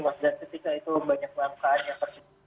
maksudnya ketika itu banyak perempuan yang tersusun